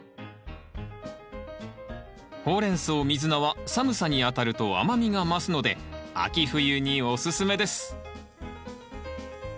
ホウレンソウミズナは寒さにあたると甘みが増すので秋冬におすすめです。